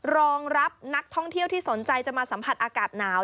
รองรับนักท่องเที่ยวที่สนใจจะมาสัมผัสอากาศหนาว